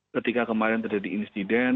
ketika kemarin terjadi insiden